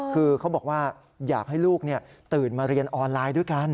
คือเขาบอกว่าอยากให้ลูกตื่นมาเรียนออนไลน์ด้วยกัน